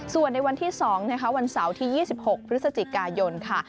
ส่วนในวันที่๒นะคะวันเสาร์ที่๒๖พฤศจิกายนค่ะ